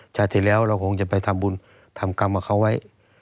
ชาติที่แล้วเราคงจะไปทำบุญทำกรรมกับเขาไว้